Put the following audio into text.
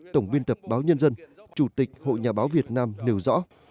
tổng biên tập báo nhân dân chủ tịch hội nhà báo việt nam nêu rõ